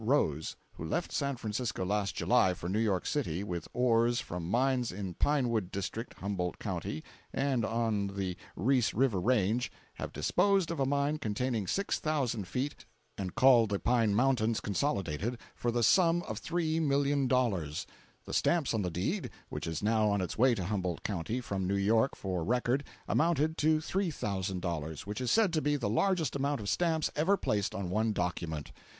Rose, who left San Francisco last July for New York City, with ores from mines in Pine Wood District, Humboldt County, and on the Reese River range, have disposed of a mine containing six thousand feet and called the Pine Mountains Consolidated, for the sum of $3,000,000. The stamps on the deed, which is now on its way to Humboldt County, from New York, for record, amounted to $3,000, which is said to be the largest amount of stamps ever placed on one document.